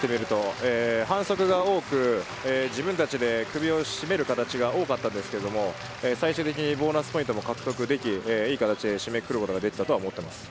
反則が多く、自分たちで首を絞める形が多かったんですけれど、最終的にボーナスポイントを獲得できて、いい形で締めくくることができたと思います。